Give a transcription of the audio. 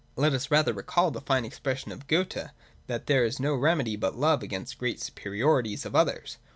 Let us, rather, recall the fine expression of Goethe, that there is no remedy but Love against great superiorities of others.